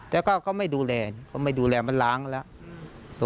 แต่ก็ไม่ดูแลมันล้างแล้ว